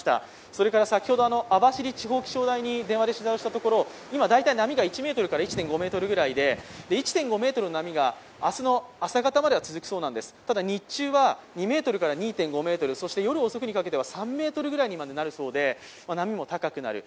それから、網走地方気象台に電話で聞いたところ今、大体波が１１．５ｍぐらいで、１．５メートルの波が明日の朝方までは続きそうですが、日中は２メートルから２．５メートル、そして夜にかけては３ｍぐらいにまでなるそうで、波も高くなる。